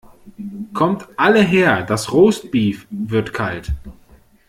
Kommt alle her das Roastbeef wird kalt.